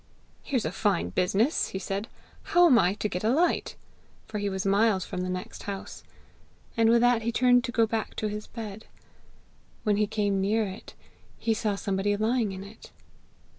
'Here's a fine business!' he said. 'How am I to get a light?' For he was miles from the next house. And with that he turned to go back to his bed. When he came near it, he saw somebody lying in it.